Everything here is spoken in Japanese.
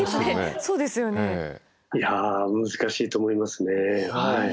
いや難しいと思いますね。